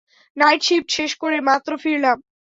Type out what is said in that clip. Night shift শেষ করে মাত্র ফিরলাম!